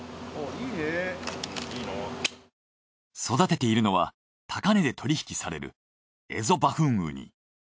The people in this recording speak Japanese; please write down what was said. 育てているのは高値で取り引きされるエゾバフンウニ。